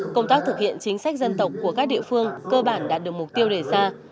công tác thực hiện chính sách dân tộc của các địa phương cơ bản đạt được mục tiêu đề ra